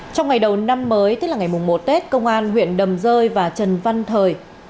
trong ngày đầu năm mới tức là ngày một tết công an huyện đầm rơi và trần văn thời